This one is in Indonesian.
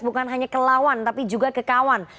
bukan hanya ke lawan tapi juga ke kawan